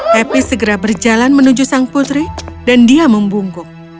happy segera berjalan menuju sang putri dan dia membungkuk